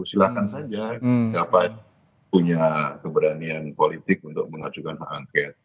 silahkan saja siapa punya keberanian politik untuk mengajukan hak angket